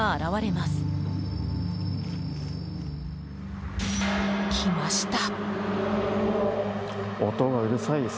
来ました。